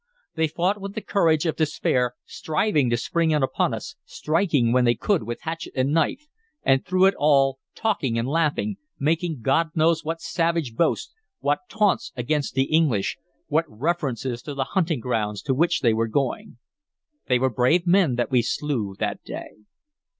They fought with the courage of despair, striving to spring in upon us, striking when they could with hatchet and knife, and through it all talking and laughing, making God knows what savage boasts, what taunts against the English, what references to the hunting grounds to which they were going. They were brave men that we slew that day.